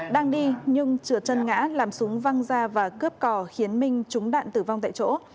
đang đi nhưng trượt chân ngã làm súng văng ra và cướp cò khiến minh trúng đạn tử vong tại chỗ